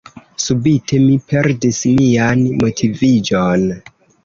Subite, mi perdis mian motiviĝon.